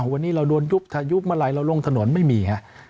วันนี้เราโดนยุบทะยุบมาลัยเราลงถนนไม่มี